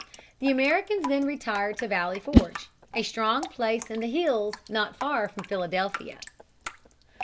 The Americans then retired to Valley Forge a strong place in the hills not far from Philadelphia.